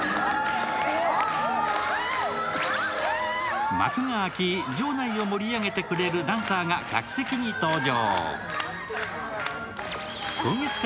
すると、幕が開き場内を盛り上げてくれるダンサーが客席に登場。